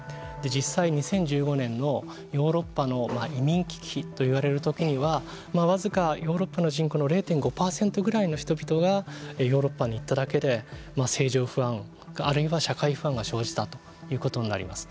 実際２０１５年のヨーロッパの移民危機といわれる時には僅かヨーロッパの人口の０．４％ぐらいの人々がヨーロッパに行っただけで政情不安あるいは社会不安が生じたということになります。